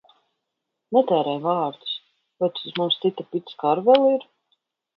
Netērē vārdus! Vai tad mums cita picka ar vēl ir?